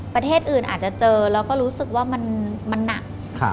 ประเทศอื่นอาจจะเจอแล้วก็รู้สึกว่ามันหนัก